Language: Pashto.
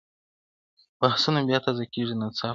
بحثونه بيا تازه کيږي ناڅاپه ډېر-